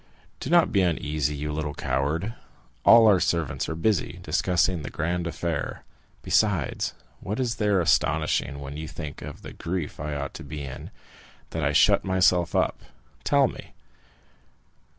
"Do not be uneasy, you little coward! All our servants are busy, discussing the grand affair. Besides, what is there astonishing, when you think of the grief I ought to be in, that I shut myself up?—tell me!"